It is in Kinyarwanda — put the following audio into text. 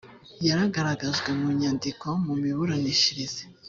yaragaragajwe mu nyandiko mu miburanishirize